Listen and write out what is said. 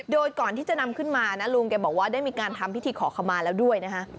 โดยก่อนที่จะนำขึ้นมานะลุงแกบอกว่าได้มีการทำพิธีขอขมาแล้วด้วยนะฮะ